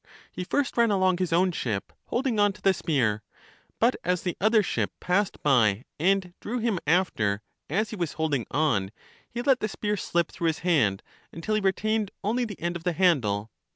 He first ran along his own ship holding on to the spear; but as the other ship passed by and drew him after as he was holding on, he let the spear slip through his hand until he retained only the end of the handle.